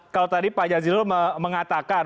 kalau tadi pak jazilul mengatakan